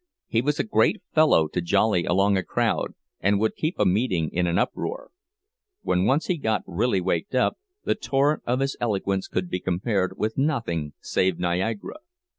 He was a great fellow to jolly along a crowd, and would keep a meeting in an uproar; when once he got really waked up, the torrent of his eloquence could be compared with nothing save Niagara.